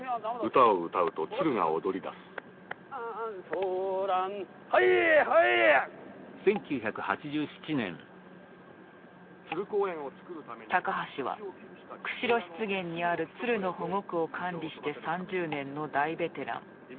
ソーランハイハイ高橋は釧路湿原にある鶴の保護区を管理して３０年の大ベテラン。